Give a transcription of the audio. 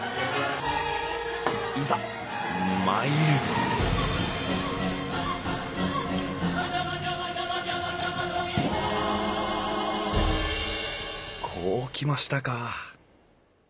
いざ参るこうきましたか。